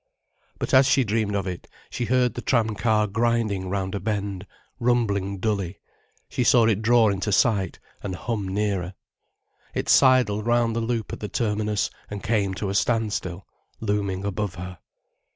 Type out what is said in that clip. But as she dreamed of it, she heard the tram car grinding round a bend, rumbling dully, she saw it draw into sight, and hum nearer. It sidled round the loop at the terminus, and came to a standstill, looming above her.